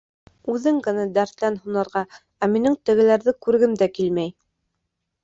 Үҙең генә дәртлән һунарға, ә минең тегеләрҙе күргем дә килмәй.